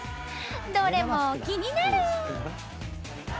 どれも気になる！